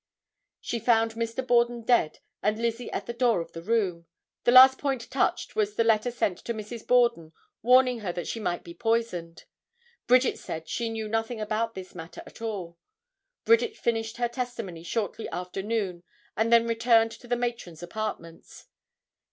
She found Mr. Borden dead and Lizzie at the door of the room. The last point touched was the letter sent to Mrs. Borden warning her that she might be poisoned. Bridget said she knew nothing about this matter at all. Bridget finished her testimony shortly after noon and then returned to the matron's apartments.